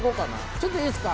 ちょっといいですか。